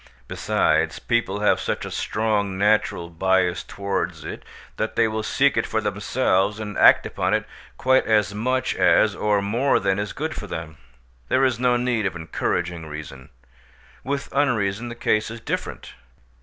Besides, people have such a strong natural bias towards it that they will seek it for themselves and act upon it quite as much as or more than is good for them: there is no need of encouraging reason. With unreason the case is different.